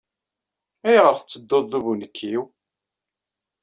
Ayɣer tettedduḍ d ubunekkiw.